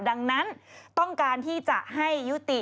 ดังนั้นต้องการที่จะให้ยุติ